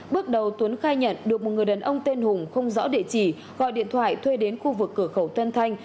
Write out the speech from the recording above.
bước đầu tuấn khai nhận được một người đàn ông tên hùng không rõ địa chỉ gọi điện thoại thuê đến khu vực cửa khẩu tân thanh